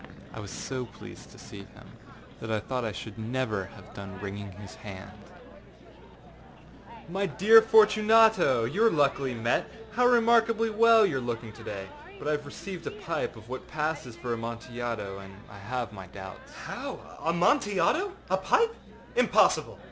I was so pleased to see him, that I thought I should never have done wringing his hand. I said to him: âMy dear Fortunato, you are luckily met. How remarkably well you are looking to day! But I have received a pipe of what passes for Amontillado, and I have my doubts.â âHow?â said he. âAmontillado? A pipe? Impossible!